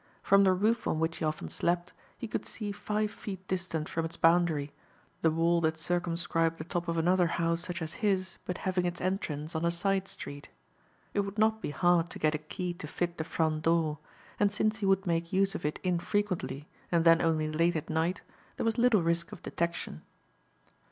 From the roof on which he often slept he could see five feet distant from its boundary, the wall that circumscribed the top of another house such as his but having its entrance on a side street. It would not be hard to get a key to fit the front door; and since he would make use of it infrequently and then only late at night there was little risk of detection.